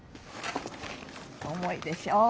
重いでしょ。